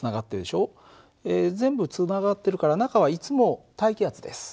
全部つながってるから中はいつも大気圧です。